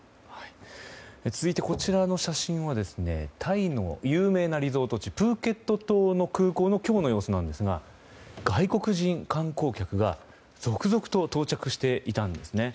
続いて、こちらの写真はタイの有名なリゾート地プーケット島の空港の今日の様子ですが外国人観光客が続々と到着していたんですね。